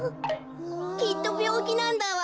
きっとびょうきなんだわ。